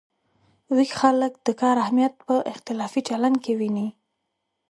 ویښ خلک د کار اهمیت په اختلافي چلن کې ویني.